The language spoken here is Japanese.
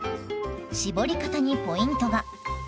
搾り方にポイントが！